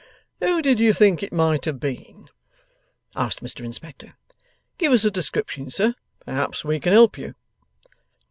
'Who did you think it might have been?' asked Mr Inspector. 'Give us a description, sir. Perhaps we can help you.